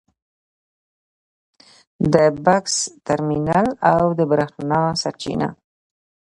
د بکس ترمینل او د برېښنا سرچینه